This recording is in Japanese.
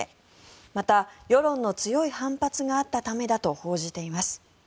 また、世論の強い反発があったためだと報じています。